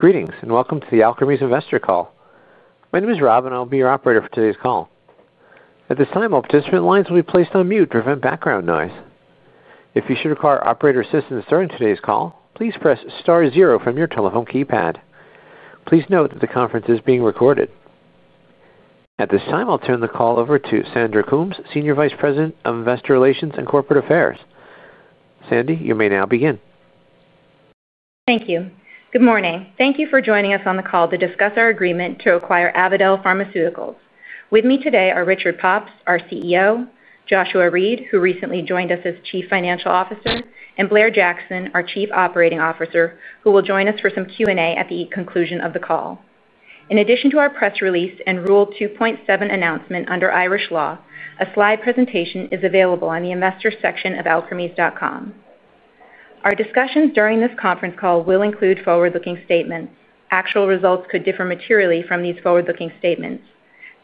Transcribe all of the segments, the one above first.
Greetings, and welcome to the Alkermes investor call. My name is Rob, and I'll be your operator for today's call. At this time, all participant lines will be placed on mute to prevent background noise. If you should require operator assistance during today's call, please press star zero from your telephone keypad. Please note that the conference is being recorded. At this time, I'll turn the call over to Sandra Coombs, Senior Vice President of Investor Relations and Corporate Affairs. Sandy, you may now begin. Thank you. Good morning. Thank you for joining us on the call to discuss our agreement to acquire Avadel Pharmaceuticals. With me today are Richard Pops, our CEO, Joshua Reid, who recently joined us as Chief Financial Officer, and Blair Jackson, our Chief Operating Officer, who will join us for some Q&A at the conclusion of the call. In addition to our press release and Rule 2.7 announcement under Irish law, a slide presentation is available on the investor section of alkermes.com. Our discussions during this conference call will include forward-looking statements. Actual results could differ materially from these forward-looking statements.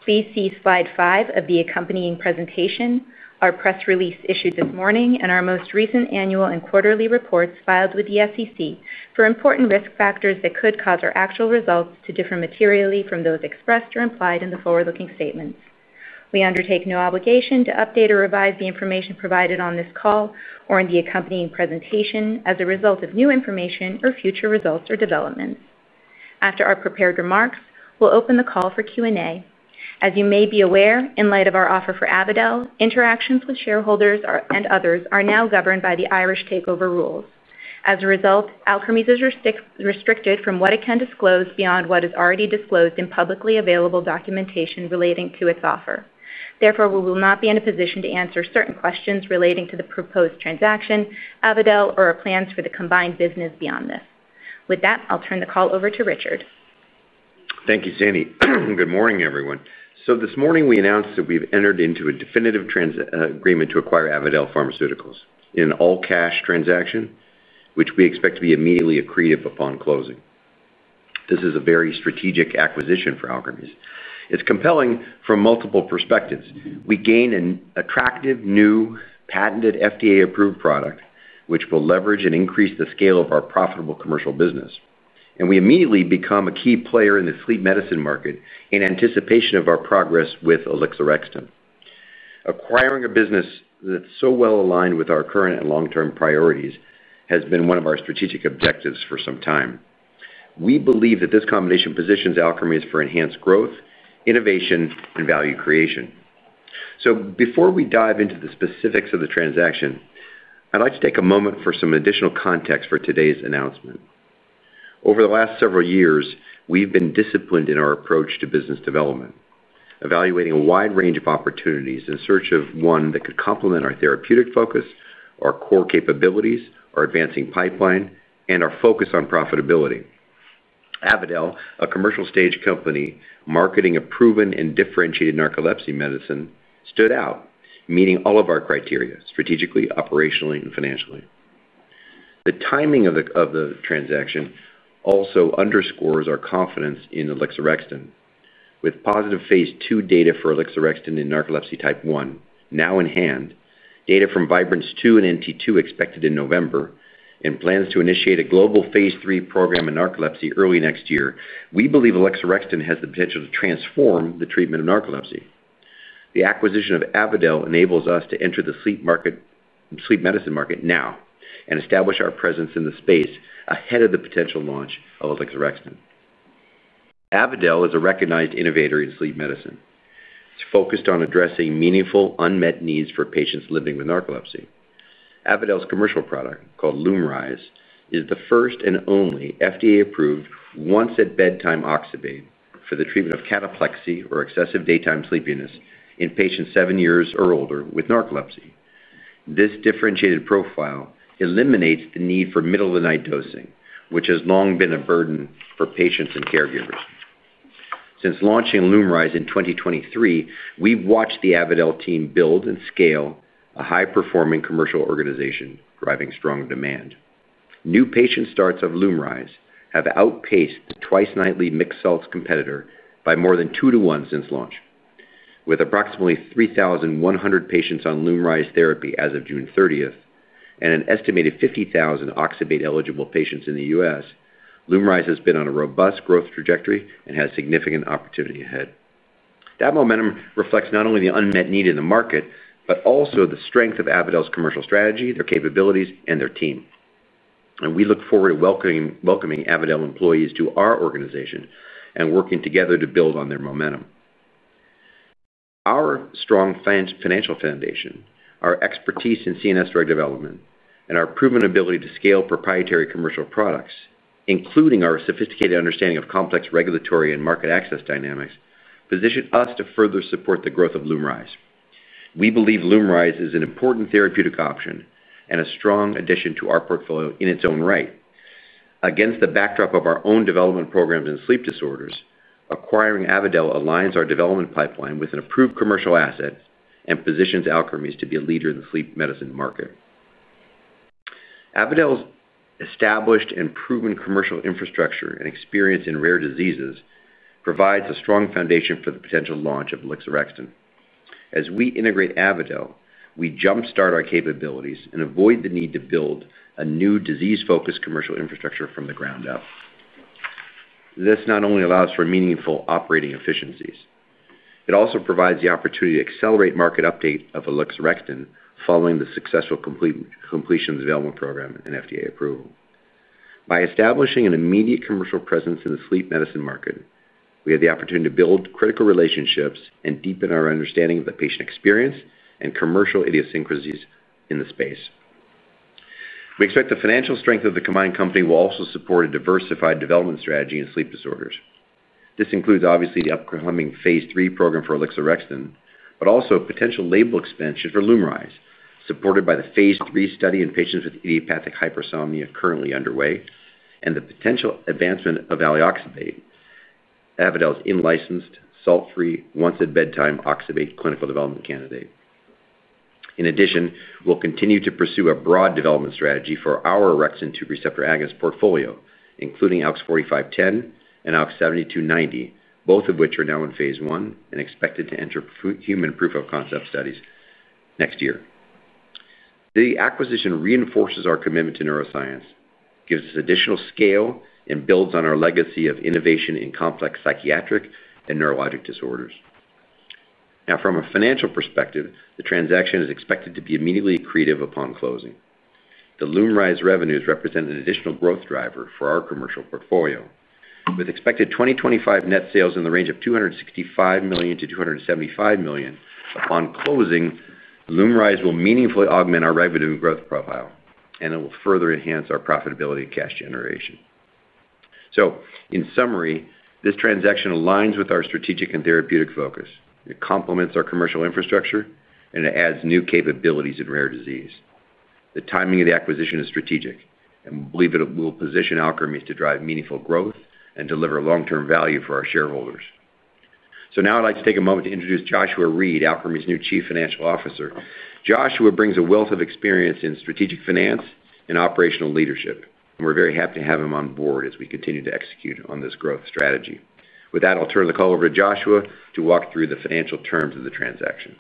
Please see slide five of the accompanying presentation, our press release issued this morning, and our most recent annual and quarterly reports filed with the SEC for important risk factors that could cause our actual results to differ materially from those expressed or implied in the forward-looking statements. We undertake no obligation to update or revise the information provided on this call or in the accompanying presentation as a result of new information or future results or developments. After our prepared remarks, we'll open the call for Q&A. As you may be aware, in light of our offer for Avadel, interactions with shareholders and others are now governed by the Irish takeover rules. As a result, Alkermes is restricted from what it can disclose beyond what is already disclosed in publicly available documentation relating to its offer. Therefore, we will not be in a position to answer certain questions relating to the proposed transaction, Avadel, or our plans for the combined business beyond this. With that, I'll turn the call over to Richard. Thank you, Sandy. Good morning, everyone. This morning, we announced that we've entered into a definitive agreement to acquire Avadel Pharmaceuticals in an all-cash transaction, which we expect to be immediately accretive upon closing. This is a very strategic acquisition for Alkermes. It's compelling from multiple perspectives. We gain an attractive, new, patented, FDA-approved product, which will leverage and increase the scale of our profitable commercial business. We immediately become a key player in the sleep medicine market in anticipation of our progress with Elixer Extant. Acquiring a business that's so well aligned with our current and long-term priorities has been one of our strategic objectives for some time. We believe that this combination positions Alkermes for enhanced growth, innovation, and value creation. Before we dive into the specifics of the transaction, I'd like to take a moment for some additional context for today's announcement. Over the last several years, we've been disciplined in our approach to business development, evaluating a wide range of opportunities in search of one that could complement our therapeutic focus, our core capabilities, our advancing pipeline, and our focus on profitability. Avadel, a commercial-stage company marketing a proven and differentiated narcolepsy medicine, stood out, meeting all of our criteria strategically, operationally, and financially. The timing of the transaction also underscores our confidence in Elixer Extant. With positive Phase II Elixer Extant in narcolepsy type 1 now in hand, data from Vibrance-2 and NT2 expected in November, and plans to initiate a global Phase III program in narcolepsy early next year, Elixer Extant has the potential to transform the treatment of narcolepsy. The acquisition of Avadel enables us to enter the sleep medicine market now and establish our presence in the space ahead of the of Elixer Extant. Avadel is a recognized innovator in sleep medicine. It's focused on addressing meaningful, unmet needs for patients living with narcolepsy. Avadel's commercial product, called Lumryz, is the first and only FDA-approved once-at-bedtime oxybate for the treatment of cataplexy or excessive daytime sleepiness in patients 7 years or older with narcolepsy. This differentiated profile eliminates the need for middle-of-the-night dosing, which has long been a burden for patients and caregivers. Since launching Lumryz in 2023, we've watched the Avadel team build and scale a high-performing commercial organization, driving strong demand. New patient starts of Lumryz have outpaced the twice-nightly mixed-salts competitor by more than two to one since launch. With approximately 3,100 patients on Lumryz therapy as of June 30th and an estimated 50,000 oxybate-eligible patients in the U.S., Lumryz has been on a robust growth trajectory and has significant opportunity ahead. That momentum reflects not only the unmet need in the market but also the strength of Avadel's commercial strategy, their capabilities, and their team. We look forward to welcoming Avadel employees to our organization and working together to build on their momentum. Our strong financial foundation, our expertise in CNS drug development, and our proven ability to scale proprietary commercial products, including our sophisticated understanding of complex regulatory and market access dynamics, position us to further support the growth of Lumryz. We believe Lumryz is an important therapeutic option and a strong addition to our portfolio in its own right. Against the backdrop of our own development programs in sleep disorders, acquiring Avadel aligns our development pipeline with an approved commercial asset and positions Alkermes to be a leader in the sleep medicine market. Avadel's established and proven commercial infrastructure and experience in rare diseases provide a strong foundation for the potential Elixer Extant. as we integrate Avadel, we jumpstart our capabilities and avoid the need to build a new disease-focused commercial infrastructure from the ground up. This not only allows for meaningful operating efficiencies, it also provides the opportunity to accelerate market uptake Elixer Extant following the successful completion of the development program and FDA approval. By establishing an immediate commercial presence in the sleep medicine market, we have the opportunity to build critical relationships and deepen our understanding of the patient experience and commercial idiosyncrasies in the space. We expect the financial strength of the combined company will also support a diversified development strategy in sleep disorders. This includes, obviously, the upcoming Phase III Elixer Extant, but also potential label expansion for Lumryz, supported by the Phase III study in patients with idiopathic hypersomnia currently underway and the potential advancement of Valiloxybate, Avadel's in-licensed, salt-free, once-at-bedtime oxybate clinical development candidate. In addition, we'll continue to pursue a broad development strategy for our orexin 2 receptor agonist portfolio, including ALKS 4510 and ALKS 7290, both of which are now in phase one and expected to enter human proof of concept studies next year. The acquisition reinforces our commitment to neuroscience, gives us additional scale, and builds on our legacy of innovation in complex psychiatric and neurologic disorders. Now, from a financial perspective, the transaction is expected to be immediately accretive upon closing. The Lumryz revenues represent an additional growth driver for our commercial portfolio. With expected 2025 net sales in the range of $265 million-$275 million upon closing, Lumryz will meaningfully augment our revenue and growth profile, and it will further enhance our profitability and cash generation. In summary, this transaction aligns with our strategic and therapeutic focus. It complements our commercial infrastructure, and it adds new capabilities in rare disease. The timing of the acquisition is strategic, and we believe it will position Alkermes to drive meaningful growth and deliver long-term value for our shareholders. Now I'd like to take a moment to introduce Joshua Reid, Alkermes' new Chief Financial Officer. Joshua brings a wealth of experience in strategic finance and operational leadership, and we're very happy to have him on board as we continue to execute on this growth strategy. With that, I'll turn the call over to Joshua to walk through the financial terms of the transaction.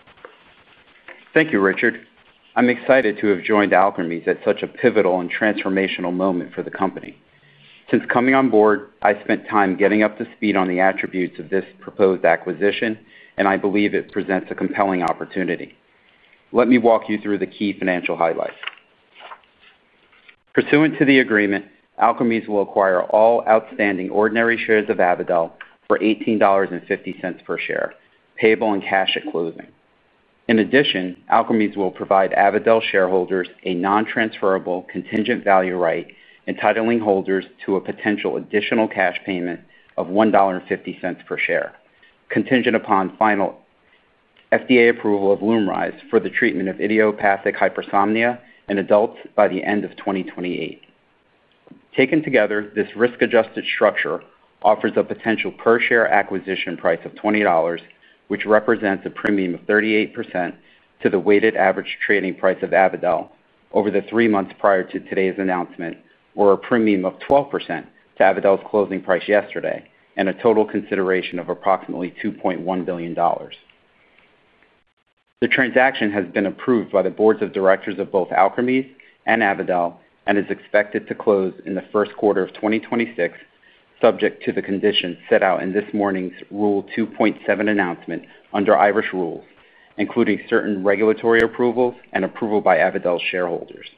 Thank you, Richard. I'm excited to have joined Alkermes at such a pivotal and transformational moment for the company. Since coming on board, I spent time getting up to speed on the attributes of this proposed acquisition, and I believe it presents a compelling opportunity. Let me walk you through the key financial highlights. Pursuant to the agreement, Alkermes will acquire all outstanding ordinary shares of Avadel for $18.50 per share, payable in cash at closing. In addition, Alkermes will provide Avadel shareholders a non-transferable contingent value right, entitling holders to a potential additional cash payment of $1.50 per share, contingent upon final FDA approval of Lumryz for the treatment of idiopathic hypersomnia in adults by the end of 2028. Taken together, this risk-adjusted structure offers a potential per-share acquisition price of $20, which represents a premium of 38% to the weighted average trading price of Avadel over the three months prior to today's announcement, or a premium of 12% to Avadel's closing price yesterday, and a total consideration of approximately $2.1 billion. The transaction has been approved by the boards of directors of both Alkermes and Avadel and is expected to close in the first quarter of 2026, subject to the conditions set out in this morning's Rule 2.7 announcement under Irish rules, including certain regulatory approvals and approval by Avadel shareholders.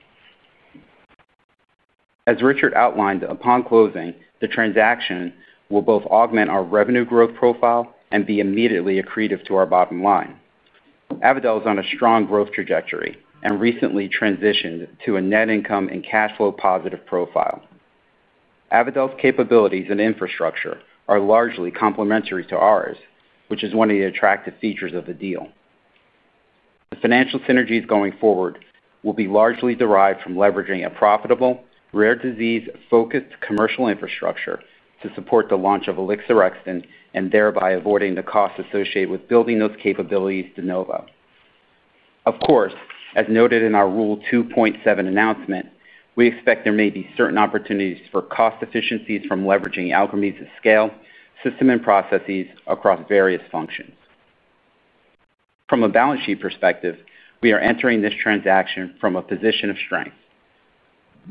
As Richard outlined, upon closing, the transaction will both augment our revenue growth profile and be immediately accretive to our bottom line. Avadel is on a strong growth trajectory and recently transitioned to a net income and cash flow positive profile. Avadel's capabilities and infrastructure are largely complementary to ours, which is one of the attractive features of the deal. The financial synergies going forward will be largely derived from leveraging a profitable, rare disease-focused commercial infrastructure to support the Elixer Extant and thereby avoiding the costs associated with building those capabilities de novo. Of course, as noted in our Rule 2.7 announcement, we expect there may be certain opportunities for cost efficiencies from leveraging Alkermes' scale, system, and processes across various functions. From a balance sheet perspective, we are entering this transaction from a position of strength.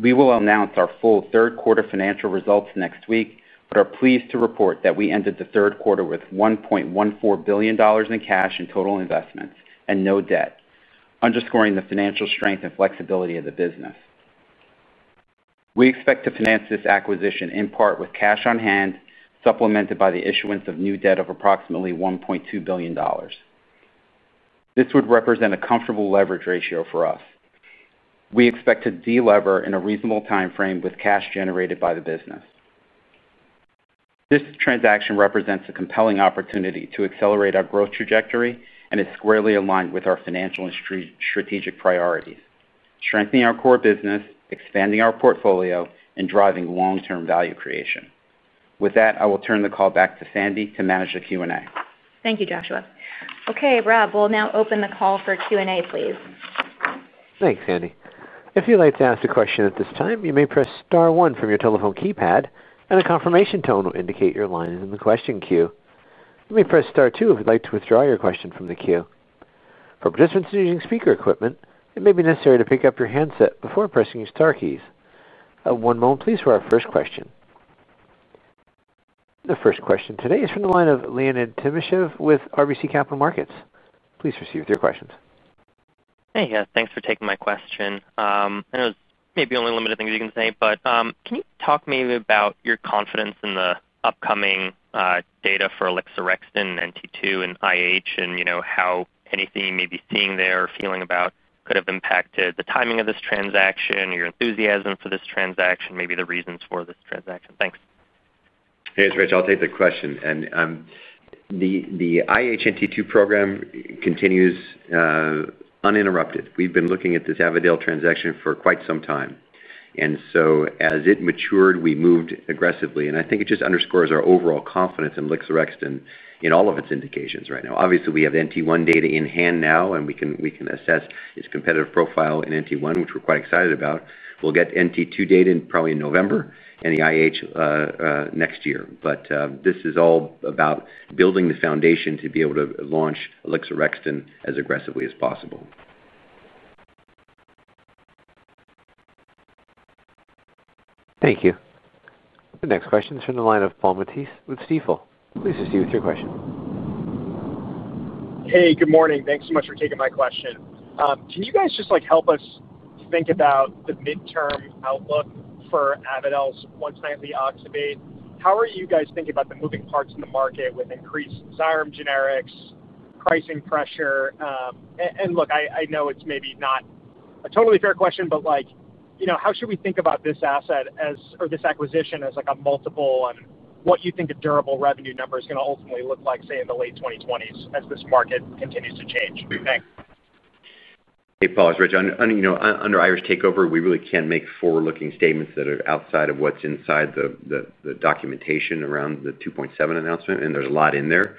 We will announce our full third-quarter financial results next week but are pleased to report that we ended the third quarter with $1.14 billion in cash and total investments and no debt, underscoring the financial strength and flexibility of the business. We expect to finance this acquisition in part with cash on hand, supplemented by the issuance of new debt of approximately $1.2 billion. This would represent a comfortable leverage ratio for us. We expect to delever in a reasonable timeframe with cash generated by the business. This transaction represents a compelling opportunity to accelerate our growth trajectory and is squarely aligned with our financial and strategic priorities, strengthening our core business, expanding our portfolio, and driving long-term value creation. With that, I will turn the call back to Sandy to manage the Q&A. Thank you, Joshua. Okay, Rob, we'll now open the call for Q&A, please. Thanks, Sandy. If you'd like to ask a question at this time, you may press star one from your telephone keypad, and a confirmation tone will indicate your line is in the question queue. You may press star two if you'd like to withdraw your question from the queue. For participants using speaker equipment, it may be necessary to pick up your handset before pressing your star keys. One moment, please, for our first question. The first question today is from the line of Leonid Timashev with RBC Capital Markets. Please proceed with your questions. Hey, yeah, thanks for taking my question. I know it's maybe only limited to things you can say, but can you talk maybe about your confidence in the upcoming data for ALKS 2680 and NT2 and IH, and you know, how anything you may be seeing there or feeling about could have impacted the timing of this transaction, your enthusiasm for this transaction, maybe the reasons for this transaction? Thanks. Hey, it's Rich. I'll take the question. The IH NT2 program continues uninterrupted. We've been looking at this Avadel transaction for quite some time. As it matured, we moved aggressively. I think it just underscores our overall confidence in Elixer Extant in all of its indications right now. Obviously, we have NT1 data in hand now, and we can assess its competitive profile in NT1, which we're quite excited about. We'll get NT2 data probably in November and the IH next year. This is all about building the foundation to be able to launch Elixer Extant as aggressively as possible. Thank you. The next question is from the line of Paul Matisse with Stifel. Please proceed with your question. Hey, good morning. Thanks so much for taking my question. Can you guys just help us think about the midterm outlook for Avadel’s once-at-bedtime oxybate? How are you guys thinking about the moving parts in the market with increased Xyrem generics, pricing pressure? I know it's maybe not a totally fair question, but how should we think about this asset or this acquisition as a multiple and what you think a durable revenue number is going to ultimately look like, say, in the late 2020s as this market continues to change? Thanks. Hey, Paul, it's Rich. You know, under Irish takeover, we really can't make forward-looking statements that are outside of what's inside the documentation around the 2.7 announcement, and there's a lot in there.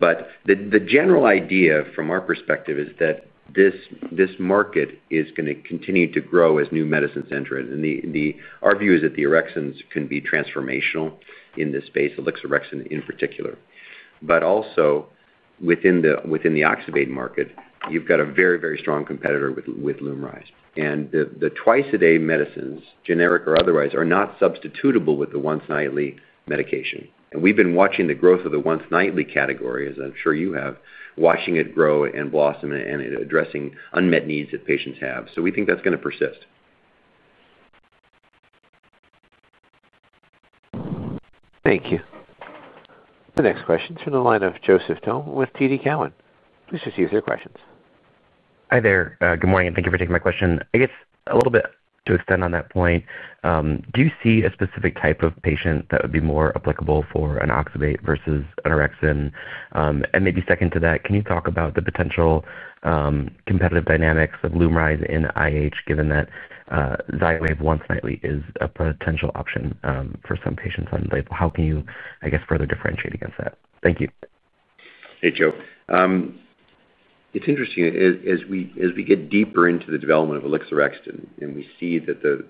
The general idea from our perspective is that this market is going to continue to grow as new medicines enter it. Our view is that the orexins can be transformational in this space, Elixer Extant in particular. Also, within the oxybate market, you've got a very, very strong competitor with Lumryz. The twice-a-day medicines, generic or otherwise, are not substitutable with the once-at-bedtime medication. We've been watching the growth of the once-at-bedtime category, as I'm sure you have, watching it grow and blossom and addressing unmet needs that patients have. We think that's going to persist. Thank you. The next question is from the line of Joseph Tong with TD Cowen. Please proceed with your questions. Hi there. Good morning, and thank you for taking my question. I guess a little bit to extend on that point, do you see a specific type of patient that would be more applicable for an oxybutynin versus an orexin? Maybe second to that, can you talk about the potential competitive dynamics of Lumryz and IH given that Xywav once-nightly is a potential option for some patients on label? How can you, I guess, further differentiate against that? Thank you. Hey, Joe. It's interesting. As we get deeper into the development of Elixer Extant, and we see the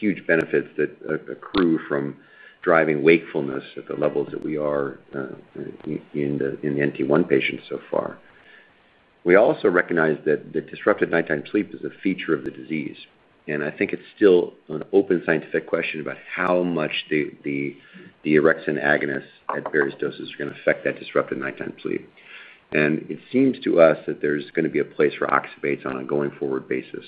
huge benefits that accrue from driving wakefulness at the levels that we are in the NT1 patients so far, we also recognize that the disrupted nighttime sleep is a feature of the disease. I think it's still an open scientific question about how much the orexin agonist at various doses is going to affect that disrupted nighttime sleep. It seems to us that there's going to be a place for oxybate on a going-forward basis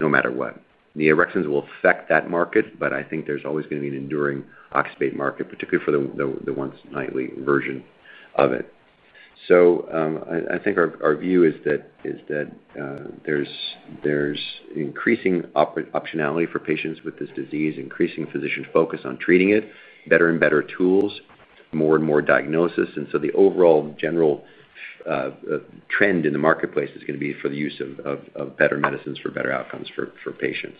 no matter what. The orexins will affect that market, but I think there's always going to be an enduring oxybate market, particularly for the once-at-bedtime version of it. I think our view is that there's increasing optionality for patients with this disease, increasing physician focus on treating it, better and better tools, more and more diagnosis. The overall general trend in the marketplace is going to be for the use of better medicines for better outcomes for patients.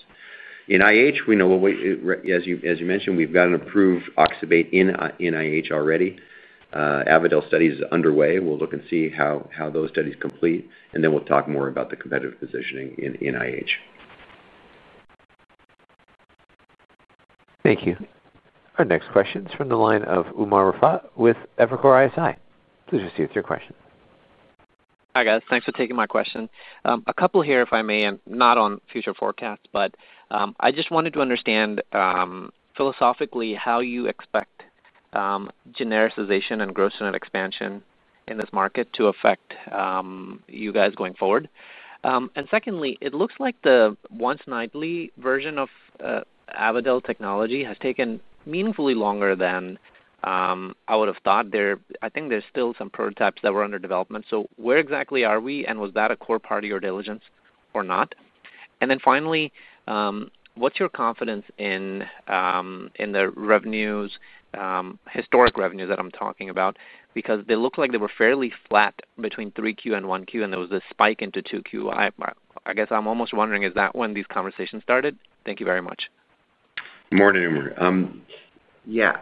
In idiopathic hypersomnia, we know, as you mentioned, we've got an approved oxybate in idiopathic hypersomnia already. Avadel studies are underway. We'll look and see how those studies complete, and then we'll talk more about the competitive positioning in idiopathic hypersomnia. Thank you. Our next question is from the line of Umer Rafat with Evercore ISI. Please proceed with your question. Hi guys, thanks for taking my question. A couple here, if I may. I'm not on future forecasts, but I just wanted to understand philosophically how you expect genericization and growth and expansion in this market to affect you guys going forward. Secondly, it looks like the once-at-bedtime version of Avadel technology has taken meaningfully longer than I would have thought. I think there's still some prototypes that were under development. Where exactly are we, and was that a core part of your diligence or not? Finally, what's your confidence in the historic revenues that I'm talking about? Because they look like they were fairly flat between 3Q and 1Q, and there was this spike into 2Q. I guess I'm almost wondering, is that when these conversations started? Thank you very much. Good morning, Umer. Yeah,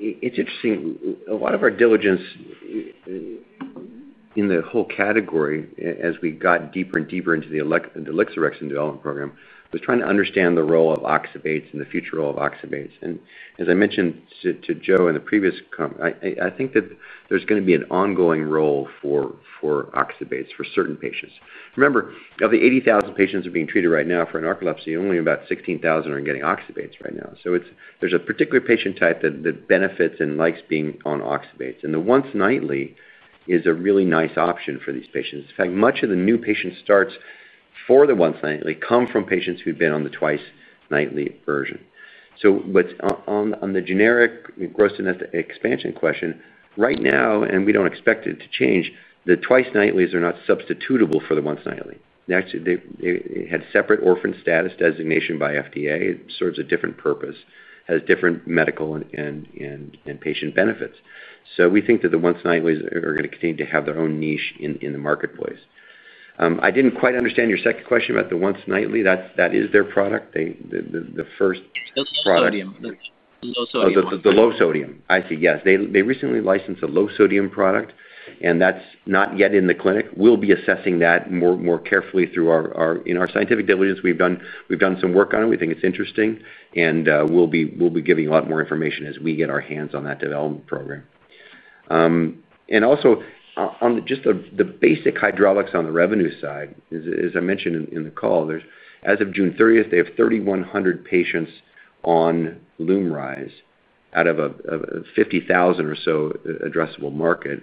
it's interesting. A lot of our diligence in the whole category, as we got deeper and deeper into the Elixer Extant development program, was trying to understand the role of oxybutynin and the future role of oxybutynin. As I mentioned to Joe in the previous comment, I think that there's going to be an ongoing role for oxybutynin for certain patients. Remember, of the 80,000 patients who are being treated right now for narcolepsy, only about 16,000 are getting oxybutynin right now. There's a particular patient type that benefits and likes being on oxybutynin. The once-nightly is a really nice option for these patients. In fact, much of the new patient starts for the once-nightly come from patients who've been on the twice-nightly version. On the generic growth and expansion question right now, we don't expect it to change. The twice-nightlies are not substitutable for the once-nightly. They actually had separate orphan status designation by the FDA. It serves a different purpose, has different medical and patient benefits. We think that the once-nightlies are going to continue to have their own niche in the marketplace. I didn't quite understand your second question about the once-nightly. That is their product. The first product. Low sodium. Oh, the low sodium. I see, yes. They recently licensed a low sodium product, and that's not yet in the clinic. We'll be assessing that more carefully through our scientific diligence. We've done some work on it. We think it's interesting, and we'll be giving a lot more information as we get our hands on that development program. Also, on just the basic hydraulics on the revenue side, as I mentioned in the call, as of June 30th, they have 3,100 patients on Lumryz out of a 50,000 or so addressable market.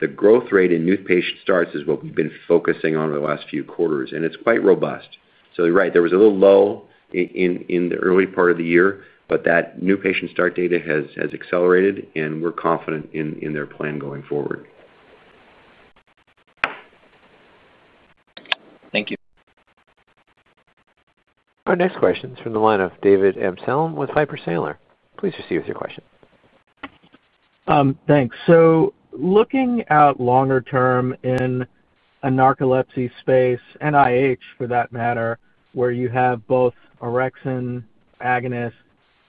The growth rate in new patient starts is what we've been focusing on over the last few quarters, and it's quite robust. You're right, there was a little low in the early part of the year, but that new patient start data has accelerated, and we're confident in their plan going forward. Thank you. Our next question is from the line of David Amsellem with Piper Sandler. Please proceed with your question. Thanks. Looking out longer term in the narcolepsy space, and idiopathic hypersomnia for that matter, where you have both orexin agonist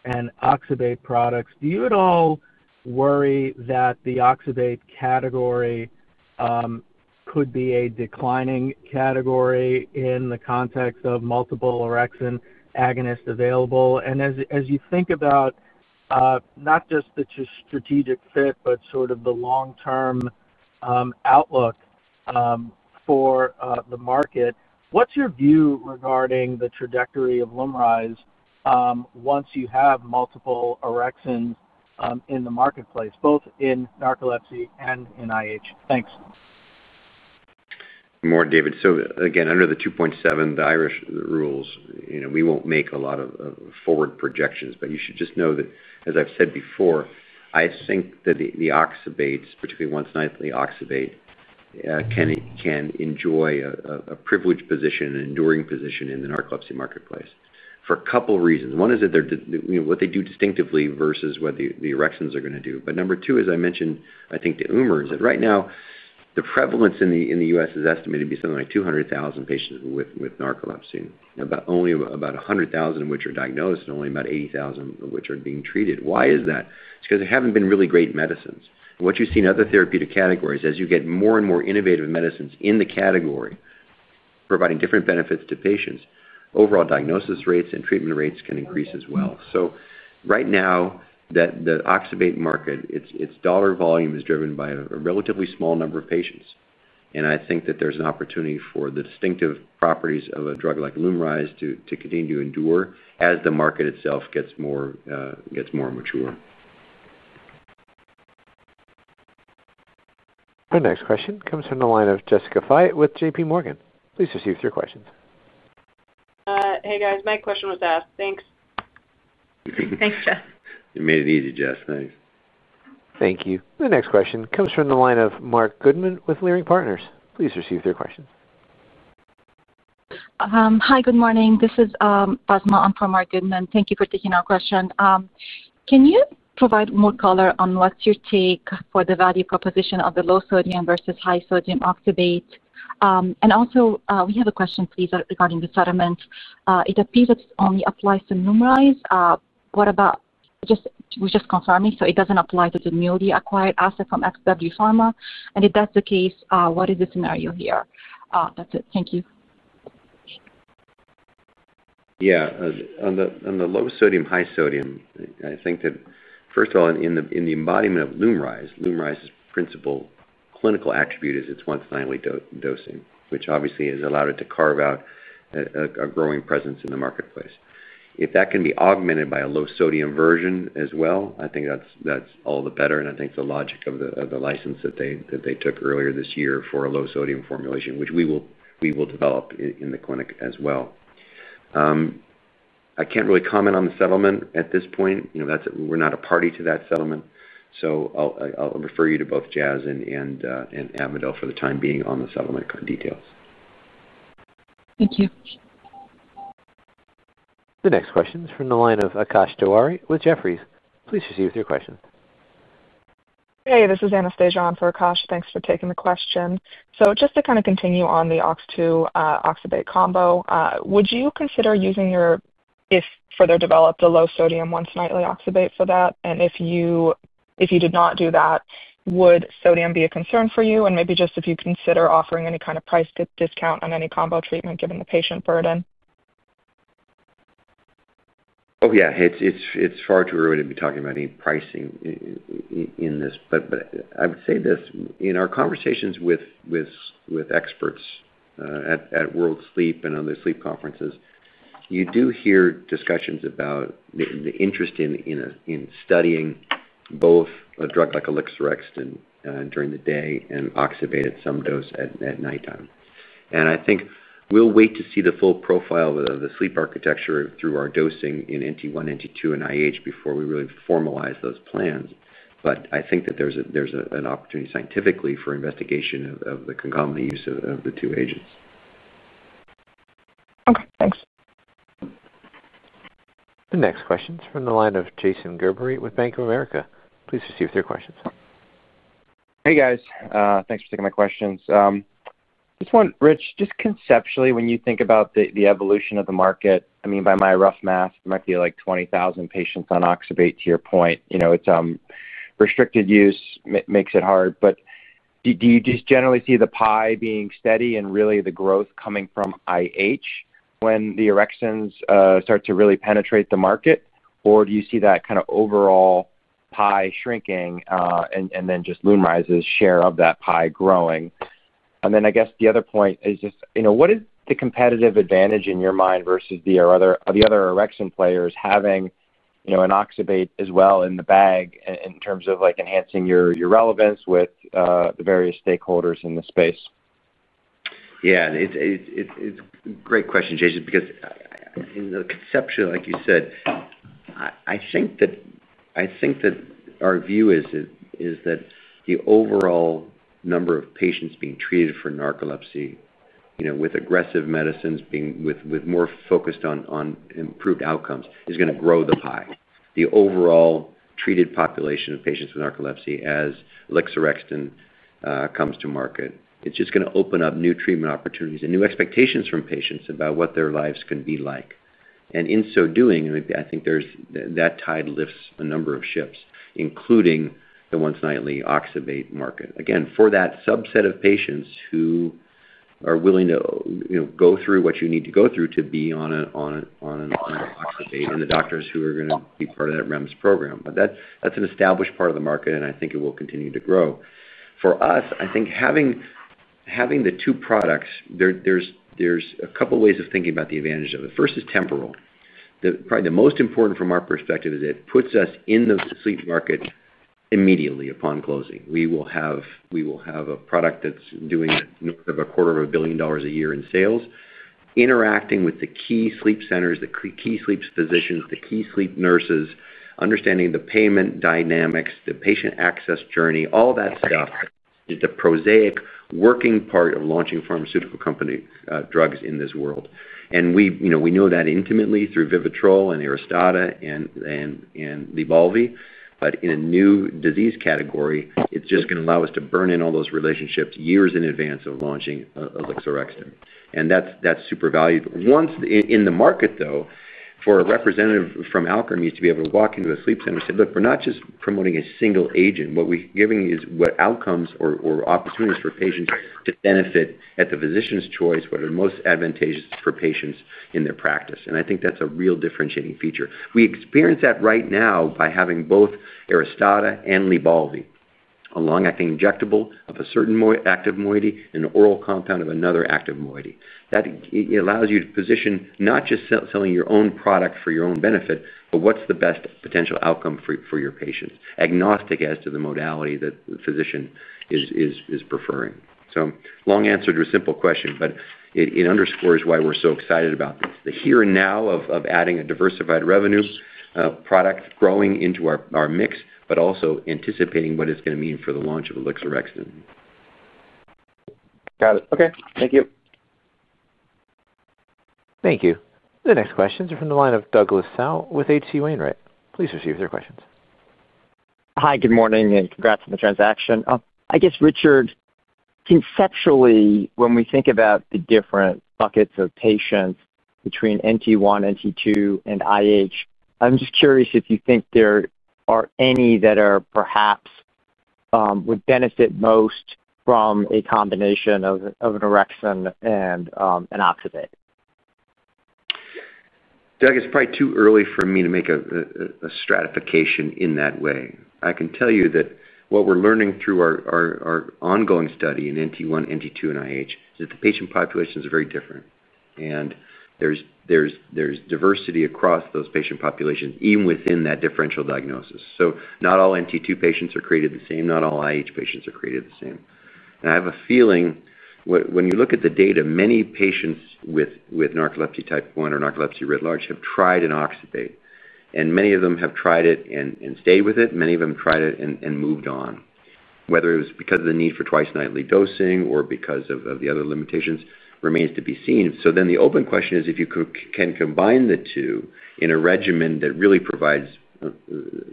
and oxybate products, do you at all worry that the oxybate category could be a declining category in the context of multiple orexin agonists available? As you think about not just the strategic fit, but sort of the long-term outlook for the market, what's your view regarding the trajectory of Lumryz once you have multiple orexins in the marketplace, both in narcolepsy and idiopathic hypersomnia? Thanks. More, David. Again, under the 2.7, the Irish rules, you know we won't make a lot of forward projections, but you should just know that, as I've said before, I think that the oxybate, particularly once-at-bedtime oxybate, can enjoy a privileged position, an enduring position in the narcolepsy marketplace for a couple of reasons. One is that they're, you know, what they do distinctively versus what the orexin 2 receptor agonists are going to do. Number two, as I mentioned, I think to Umar, is that right now, the prevalence in the U.S. is estimated to be something like 200,000 patients with narcolepsy, only about 100,000 of which are diagnosed and only about 80,000 of which are being treated. Why is that? It's because there haven't been really great medicines. What you see in other therapeutic categories, as you get more and more innovative medicines in the category, providing different benefits to patients, overall diagnosis rates and treatment rates can increase as well. Right now, the once-at-bedtime oxybate market, its dollar volume is driven by a relatively small number of patients. I think that there's an opportunity for the distinctive properties of a drug like Lumryz to continue to endure as the market itself gets more mature. The next question comes from the line of Jessica Fye with JPMorgan. Please proceed with your questions. Hey guys, my question was asked. Thanks. Thanks, Jess. You made it easy, Jessicca. Thanks. Thank you. The next question comes from the line of Basma with Leerink Partners. Please proceed with your questions. Hi, good morning. This is Basma from Mark Goodman. Thank you for taking our question. Can you provide more color on what's your take for the value proposition of the low sodium versus high sodium oxybate? Also, we have a question, please, regarding the settlement. It appears that it only applies to Lumryz. We're just confirming, so it doesn't apply to the newly acquired asset from XW Pharma. If that's the case, what is the scenario here? That's it. Thank you. Yeah. On the low sodium, high sodium, I think that, first of all, in the embodiment of Lumryz, Lumryz's principal clinical attribute is its once-nightly dosing, which obviously has allowed it to carve out a growing presence in the marketplace. If that can be augmented by a low sodium version as well, I think that's all the better. I think the logic of the license that they took earlier this year for a low sodium formulation, which we will develop in the clinic as well. I can't really comment on the settlement at this point. We're not a party to that settlement. I'll refer you to both Jazz and Avadel for the time being on the settlement details. Thank you. The next question is from the line of Akash Tewari with Jefferies. Please proceed with your question. Hey, this is Anastasia on for Akash. Thanks for taking the question. Just to kind of continue on the orexin 2 oxybutynin combo, would you consider using your, if further developed, a low sodium once-at-bedtime oxybutynin for that? If you did not do that, would sodium be a concern for you? Maybe just if you consider offering any kind of price discount on any combo treatment given the patient burden? Oh, yeah. It's hard to really be talking about any pricing in this. I would say this. In our conversations with experts at World Sleep and other sleep conferences, you do hear discussions about the interest in studying both a Elixer Extant during the day and oxybate at some dose at nighttime. I think we'll wait to see the full profile of the sleep architecture through our dosing in NT1, NT2, and idiopathic hypersomnia before we really formalize those plans. I think that there's an opportunity scientifically for investigation of the concomitant use of the two agents. Okay. Thanks. The next question is from the line of Jason Gerbery with Bank of America. Please proceed with your questions. Hey guys, thanks for taking my questions. Just one, Rich, just conceptually, when you think about the evolution of the market, I mean, by my rough math, it might be like 20,000 patients on oxybate to your point. Its restricted use makes it hard. Do you just generally see the pie being steady and really the growth coming from idiopathic hypersomnia when the orexin start to really penetrate the market? Do you see that kind of overall pie shrinking and just Lumryz's share of that pie growing? I guess the other point is, what is the competitive advantage in your mind versus the other orexin players having an oxybate as well in the bag in terms of enhancing your relevance with the various stakeholders in the space? Yeah, it's a great question, Jason, because in the conception, like you said, I think that our view is that the overall number of patients being treated for narcolepsy, you know, with aggressive medicines being more focused on improved outcomes, is going to grow the pie. The overall treated population of patients with narcolepsy as Elixer Extant comes to market, it's just going to open up new treatment opportunities and new expectations from patients about what their lives can be like. In so doing, I think that tide lifts a number of ships, including the once-at-bedtime oxybate market. Again, for that subset of patients who are willing to go through what you need to go through to be on an oxybate and the doctors who are going to be part of that REMS program. That's an established part of the market, and I think it will continue to grow. For us, I think having the two products, there's a couple of ways of thinking about the advantage of it. The first is temporal. Probably the most important from our perspective is it puts us in the sleep market immediately upon closing. We will have a product that's doing a quarter of a billion dollars a year in sales, interacting with the key sleep centers, the key sleep physicians, the key sleep nurses, understanding the payment dynamics, the patient access journey, all that stuff is the prosaic working part of launching pharmaceutical company drugs in this world. We know that intimately through Vivitrol and Aristada and Lybalvi. In a new disease category, it's just going to allow us to burn in all those relationships years in advance of launching Elixer Extant. That's super valued. Once in the market, though, for a representative from Alkermes to be able to walk into a sleep center and say, "Look, we're not just promoting a single agent. What we're giving is what outcomes or opportunities for patients to benefit at the physician's choice, what are most advantageous for patients in their practice." I think that's a real differentiating feature. We experience that right now by having both Aristada and Lybalvi along, I think, injectable of a certain active moiety and an oral compound of another active moiety. That allows you to position not just selling your own product for your own benefit, but what's the best potential outcome for your patients, agnostic as to the modality that the physician is preferring. Long answer to a simple question, but it underscores why we're so excited about this, the here and now of adding a diversified revenue product growing into our mix, but also anticipating what it's going to mean for the launch of Elixer Extant. Got it. Okay. Thank you. Thank you. The next questions are from the line of Douglas Tsao with H.C. Wainwright. Please proceed with your questions. Hi, good morning, and congrats on the transaction. I guess, Richard, conceptually, when we think about the different buckets of patients between NT1, NT2, and IH, I'm just curious if you think there are any that perhaps would benefit most from a combination of an orexin and an oxybate. Doug, it's probably too early for me to make a stratification in that way. I can tell you that what we're learning through our ongoing study in NT1, NT2, and IH is that the patient populations are very different, and there's diversity across those patient populations, even within that differential diagnosis. Not all NT2 patients are created the same. Not all IH patients are created the same. I have a feeling when you look at the data, many patients with narcolepsy type one or narcolepsy writ large have tried an oxybate, and many of them have tried it and stayed with it. Many of them tried it and moved on, whether it was because of the need for twice-nightly dosing or because of the other limitations remains to be seen. The open question is if you can combine the two in a regimen that really provides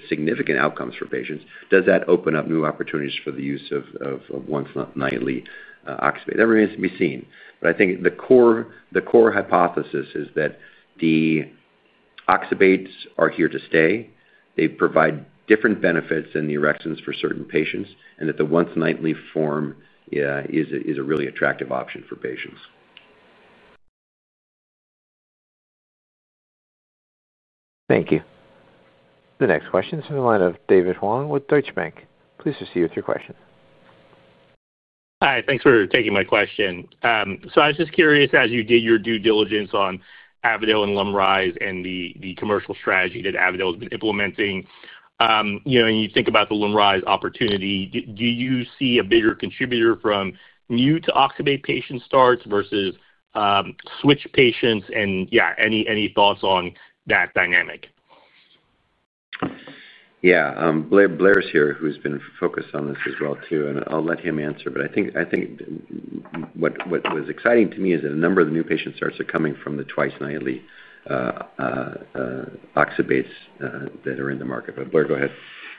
significant outcomes for patients, does that open up new opportunities for the use of once-at-bedtime oxybate? That remains to be seen. I think the core hypothesis is that the oxybates are here to stay. They provide different benefits than the orexins for certain patients, and the once-at-bedtime form is a really attractive option for patients. Thank you. The next question is from the line of David Huang with Deutsche Bank. Please proceed with your question. Hi, thanks for taking my question. I was just curious, as you did your due diligence on Avadel Pharmaceuticals and Lumryz and the commercial strategy that Avadel has been implementing, you know, and you think about the Lumryz opportunity, do you see a bigger contributor from new to oxybate patient starts versus switch patients? Any thoughts on that dynamic? Yeah. Blair's here, who's been focused on this as well too. I'll let him answer. I think what was exciting to me is that a number of the new patient starts are coming from the twice-nightly oxybates that are in the market. Blair, go ahead.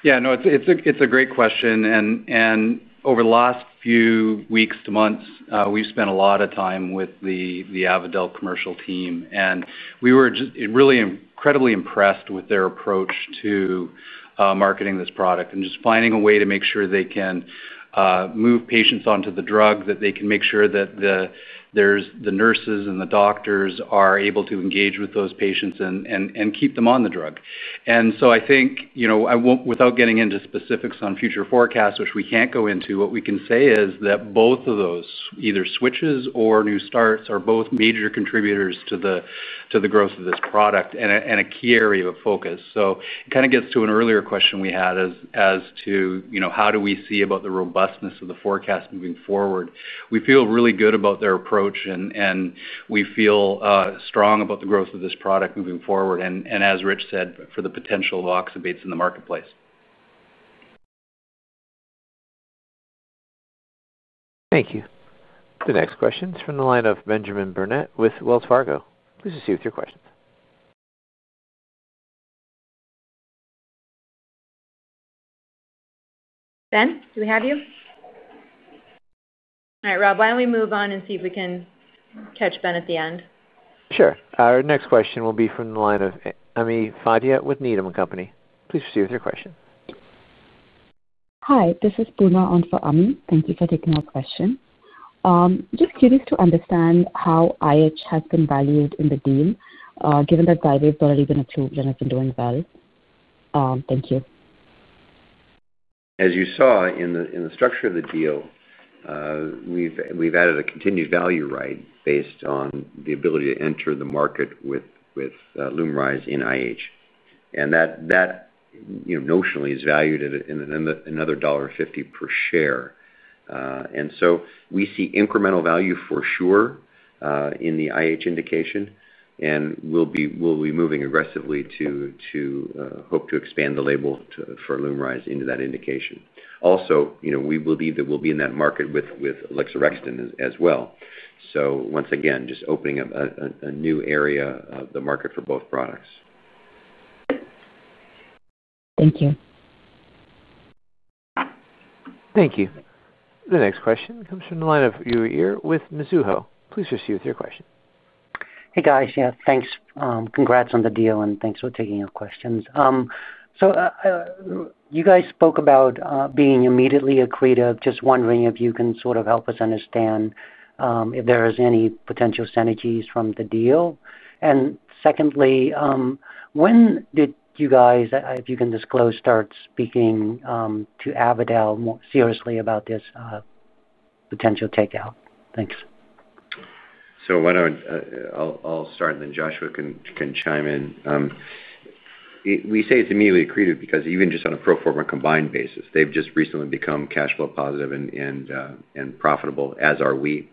Yeah, no, it's a great question. Over the last few weeks to months, we've spent a lot of time with the Avadel commercial team. We were just really incredibly impressed with their approach to marketing this product and just finding a way to make sure they can move patients onto the drug, that they can make sure that the nurses and the doctors are able to engage with those patients and keep them on the drug. I think, you know, without getting into specifics on future forecasts, which we can't go into, what we can say is that both of those, either switches or new starts, are both major contributors to the growth of this product and a key area of focus. It kind of gets to an earlier question we had as to how do we see about the robustness of the forecast moving forward. We feel really good about their approach, and we feel strong about the growth of this product moving forward. As Richard Pops said, for the potential of oxybates in the marketplace. Thank you. The next question is from the line of Benjamin Burnett with Wells Fargo. Please proceed with your questions. Ben, do we have you? All right, Rob, why don't we move on and see if we can catch Ben at the end? Sure. Our next question will be from the line of Ami Fadia with Needham & Company. Please proceed with your question. Hi, this is Umer on for Ami. Thank you for taking our question. I'm just curious to understand how IH has been valued in the deal, given that Xywav's already been approved and has been doing well. Thank you. As you saw in the structure of the deal, we've added a contingent value right based on the ability to enter the market with Lumryz in idiopathic hypersomnia. That, notionally, is valued at another $1.50 per share. We see incremental value for sure in the idiopathic hypersomnia indication, and we'll be moving aggressively to hope to expand the label for Lumryz into that indication. Also, we believe that we'll be in that market with Elixer Extant as well. Once again, just opening up a new area of the market for both products. Thank you. Thank you. The next question comes from the line of Yui Ear with Mizuho. Please proceed with your question. Hey guys, yeah, thanks. Congrats on the deal, and thanks for taking your questions. You guys spoke about being immediately accretive. Just wondering if you can sort of help us understand if there are any potential synergies from the deal. Secondly, when did you guys, if you can disclose, start speaking to Avadel more seriously about this potential takeout? Thanks. I'll start, and then Joshua can chime in. We say it's immediately accretive because even just on a pro forma combined basis, they've just recently become cash flow positive and profitable, as are we.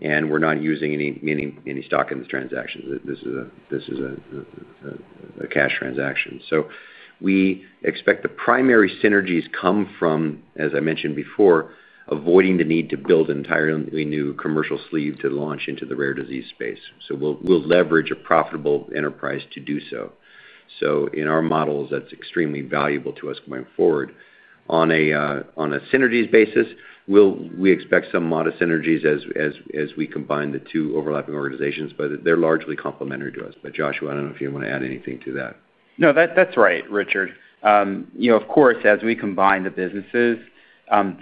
We're not using any stock in this transaction. This is a cash transaction. We expect the primary synergies come from, as I mentioned before, avoiding the need to build an entirely new commercial sleeve to launch into the rare disease space. We'll leverage a profitable enterprise to do so. In our models, that's extremely valuable to us going forward. On a synergies basis, we expect some modest synergies as we combine the two overlapping organizations, but they're largely complementary to us. Joshua, I don't know if you want to add anything to that. No, that's right, Richard. You know, of course, as we combine the businesses,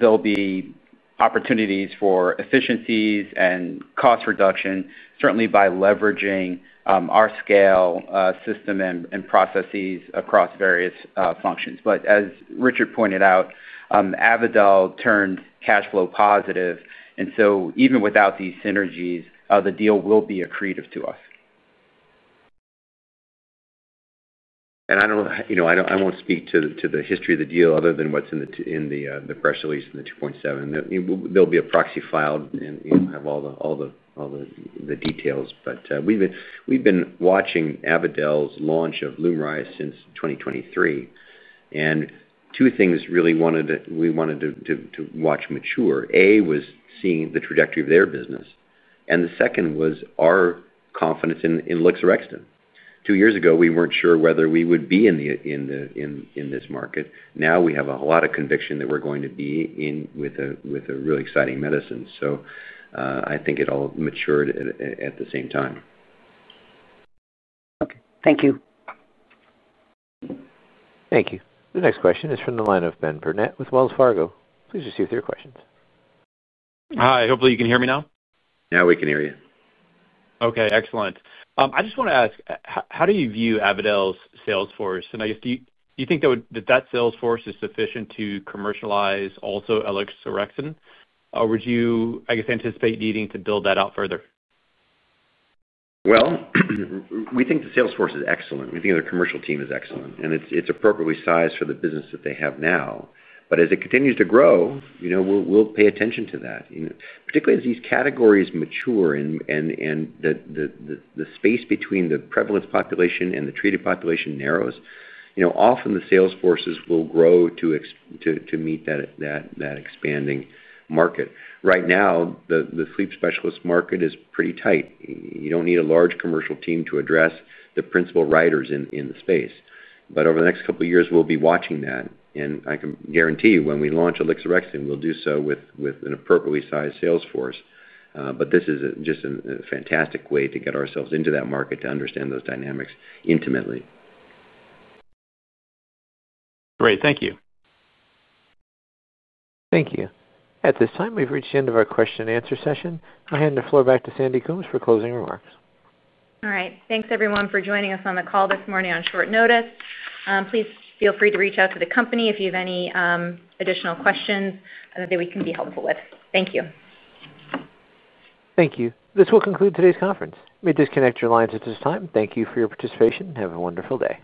there'll be opportunities for efficiencies and cost reduction, certainly by leveraging our scale, system, and processes across various functions. As Richard pointed out, Avadel turned cash flow positive, so even without these synergies, the deal will be accretive to us. I don't, you know, I won't speak to the history of the deal other than what's in the press release in the $2.7 billion. There'll be a proxy filed and have all the details. We've been watching Avadel Pharmaceuticals' launch of Lumryz since 2023. Two things really wanted to watch mature. One was seeing the trajectory of their business. The second was our Elixer Extant. two years ago, we weren't sure whether we would be in this market. Now we have a lot of conviction that we're going to be in with a really exciting medicine. I think it all matured at the same time. Okay, thank you. Thank you. The next question is from the line of Ben Burnett with Wells Fargo. Please proceed with your questions. Hi, hopefully you can hear me now. Now we can hear you. Okay, excellent. I just want to ask, how do you view Avadel's sales force? Do you think that that sales force is sufficient to commercialize also Elixer Extant? Or would you anticipate needing to build that out further? The sales force is excellent. The commercial team is excellent, and it's appropriately sized for the business that they have now. As it continues to grow, we'll pay attention to that, particularly as these categories mature and the space between the prevalence population and the treated population narrows. Often the sales forces will grow to meet that expanding market. Right now, the sleep specialist market is pretty tight. You don't need a large commercial team to address the principal writers in the space. Over the next couple of years, we'll be watching that. I can guarantee you when Elixer Extant, we'll do so with an appropriately sized sales force. This is just a fantastic way to get ourselves into that market to understand those dynamics intimately. Great, thank you. Thank you. At this time, we've reached the end of our question-and-answer session. I hand the floor back to Sandra Coombs for closing remarks. All right. Thanks, everyone, for joining us on the call this morning on short notice. Please feel free to reach out to the company if you have any additional questions that we can be helpful with. Thank you. Thank you. This will conclude today's conference. We'll disconnect your lines at this time. Thank you for your participation. Have a wonderful day.